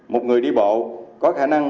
một người đi bộ có khả năng